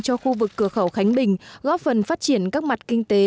cho khu vực cửa khẩu khánh bình góp phần phát triển các mặt kinh tế